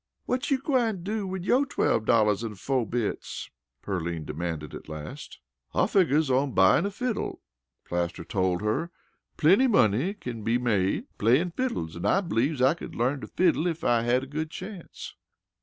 "Whut you gwine do wid yo' twelve dollars an' fo' bits?" Pearline demanded at last. "I figgers on buyin' a fiddle," Plaster told her. "Plenty money kin be made playin' fiddles, an' I b'lieves I could learn to fiddle ef I had a good chance."